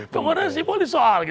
penggunaan sipor disoal